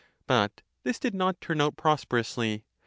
But this did not turn out prosperously.?